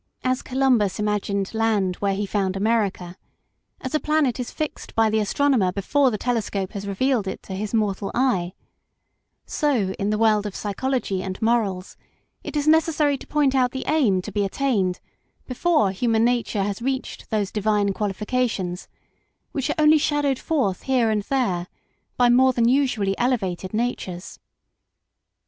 As Columbus imagined land where he found America; as a planet is fixed by the astronomer before the telescope has revealed it to his mortal eye ; so in the world of psychology and morals it is necessary to point out the aim to be attained before human nature has reached those divine qualifications which are only shadowed forth here and there by more than usually elevated natures.